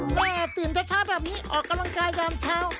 ตื่นเช้าแบบนี้ออกกำลังกายยามเช้า